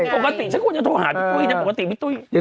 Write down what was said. ปกติฉันควรจะโทรหาพี่ตุ้ยนะ